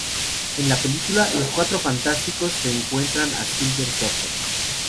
En la película, los Cuatro Fantásticos encuentran a Silver Surfer.